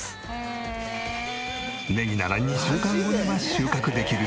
ネギなら２週間後には収穫できるそう。